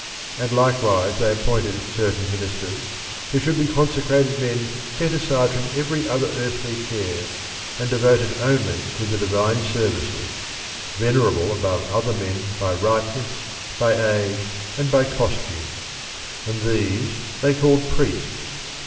And likewise they appointed certain ministers who should be consecrated men set aside from every other earthly care and devoted only to the divine services, venerable above other men by ripeness, by age, and by costume. And these they called priests.